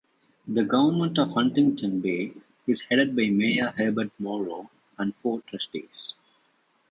The government of Huntington Bay is headed by Mayor Herbert Morrow and four trustees.